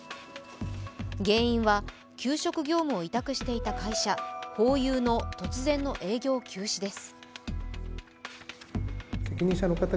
原因は給食業務を委託していた会社、ホーユーの突然の営業休止です。